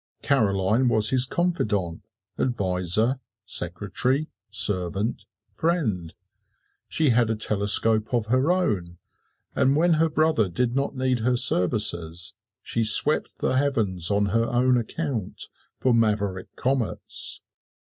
Caroline was his confidante, adviser, secretary, servant, friend. She had a telescope of her own, and when her brother did not need her services she swept the heavens on her own account for maverick comets.